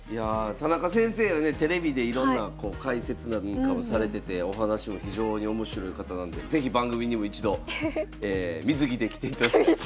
田中先生はねテレビでいろんな解説なんかをされててお話も非常に面白い方なんで是非番組にも一度水着で来ていただきたいと。